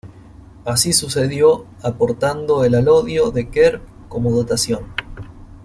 Así sucedió aportando el alodio de Quer como dotación.